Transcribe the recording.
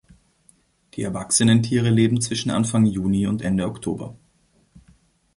Die erwachsenen Tiere leben zwischen Anfang Juni und Ende Oktober.